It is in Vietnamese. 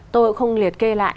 tôi không liệt kê lại